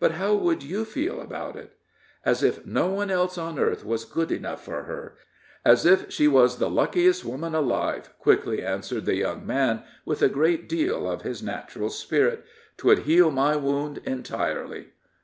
"But how would you feel about it?" "As if no one else on earth was good enough for her as if she was the luckiest woman alive," quickly answered the young man, with a great deal of his natural spirit. "'Twould heal my wound entirely."